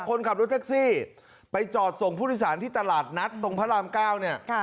คนขับรถแท็กซี่ไปจอดส่งผู้โดยสารที่ตลาดนัดตรงพระรามเก้าเนี่ย